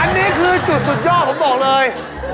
อันนี้คือสุดสุดยอดผมบอกเลย